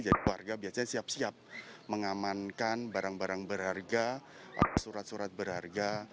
warga biasanya siap siap mengamankan barang barang berharga surat surat berharga